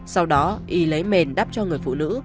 sau đó y lấy mềm đắp cho người phụ nữ